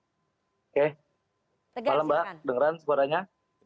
oke malam mbak dengar suaranya